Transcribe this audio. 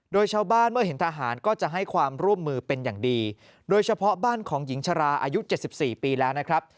โดยชาวบ้านเมื่อเห็นทหารก็จะให้ความร่วมมือเป็นอย่างดีโดยเฉพาะบ้านของหญิงชราอายุ๗๔ปีแล้วนะครับ